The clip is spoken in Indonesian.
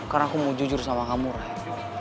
karena aku mau jujur sama kamu ray